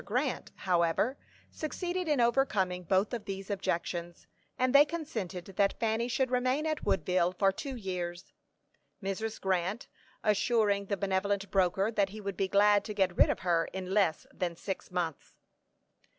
Grant, however, succeeded in overcoming both of these objections, and they consented that Fanny should remain at Woodville for two years; Mrs. Grant assuring the benevolent broker that he would be glad to get rid of her in less than six months.